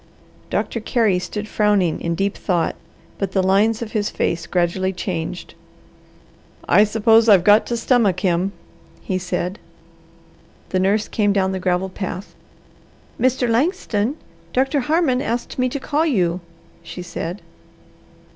Doctor Carey stood frowning in deep thought, but the lines of his face gradually changed. "I suppose I've got to stomach him," he said. The nurse came down the gravel path. "Mr. Langston, Doctor Harmon asked me to call you," she said.